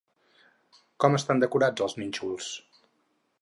Com estan decorats els nínxols?